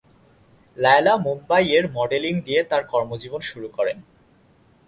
লায়লা মুম্বইয়ে মডেলিং দিয়ে তার কর্মজীবন শুরু করেন।